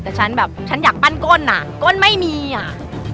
แต่ฉันแบบฉันอยากปั้นก้นอ่ะก้นไม่มีอ่ะ